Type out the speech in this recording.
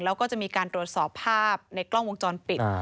แล้วก็จะมีการตรวจสอบภาพในกล้องวงจรปิด